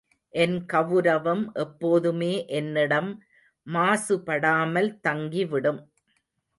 என் கவுரவம் எப்போதுமே என்னிடம் மாசுபடாமல் தங்கிவிடும்.